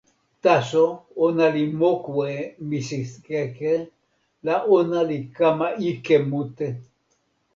taso ona li moku e misikeke la ona li kama ike mute.